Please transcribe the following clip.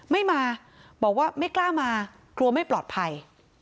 ไม่มาบอกว่าไม่กล้ามากลัวไม่ปลอดภัย